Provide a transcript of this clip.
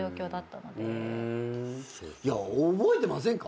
覚えてませんか？